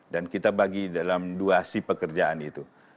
dan kita bagi dalam dua si pekerjaan itu